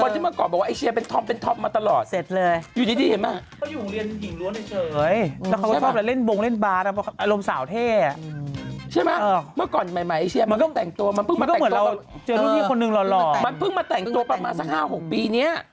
แล้วก็เป็นสาววายไง